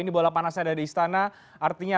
ini bola panasnya ada di istana artinya